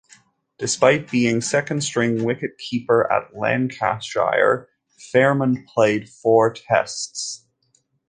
Despite being second string wicketkeeper at Lancashire, Farrimond played four Tests.